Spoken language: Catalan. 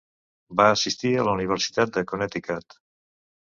Va assistir a la Universitat de Connecticut.